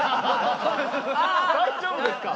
大丈夫ですか？